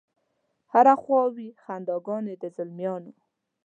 هره خوا وي خنداګانې د زلمیانو